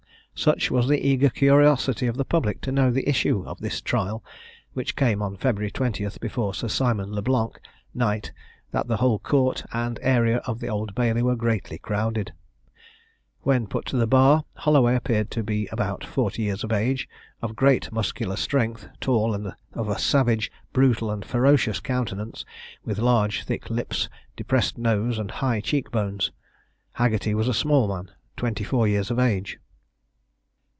Such was the eager curiosity of the public to know the issue of this trial, which came on February 20, before Sir Simon Le Blanc, knight, that the whole Court and area of the Old Bailey were greatly crowded. When put to the bar, Holloway appeared to be about forty years of age, of great muscular strength, tall, and of savage, brutal, and ferocious countenance, with large thick lips, depressed nose, and high cheek bones. Haggerty was a small man, twenty four years of age.